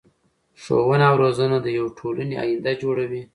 ښوونه او روزنه د يو ټولنی اينده جوړوي .